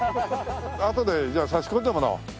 あとでじゃあ差し込んでもらおう。